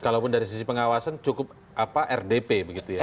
kalaupun dari sisi pengawasan cukup rdp begitu ya